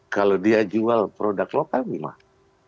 kalau dia jual produk lokal memang